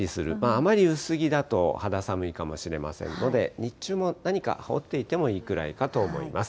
あまり薄着だと肌寒いかもしれませんので、日中も何か羽織っていてもいいくらいかと思います。